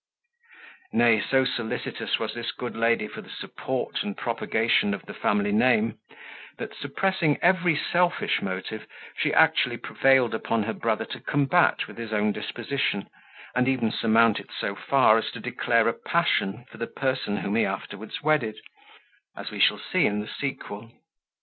Nay, so solicitous was this good lady for the support and propagation of the family name, that, suppressing every selfish motive, she actually prevailed upon her brother to combat with his own disposition, and even surmount it so far, as to declare a passion for the person whom he afterwards wedded, as we shall see in the sequel.